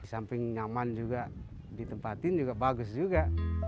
di samping nyaman juga ditempatin juga bagus juga